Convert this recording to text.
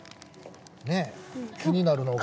ねぇ気になるのが。